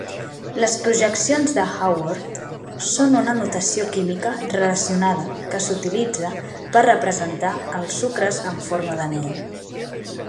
Les projeccions de Haworth són una notació química relacionada que s'utilitza per representar els sucres en forma d'anell.